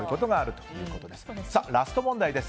ラスト問題です。